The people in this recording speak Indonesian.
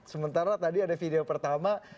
sementara tadi ada video pertama